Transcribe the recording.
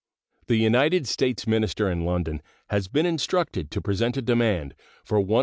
The United States minister in London has been instructed to present a demand for $105,305.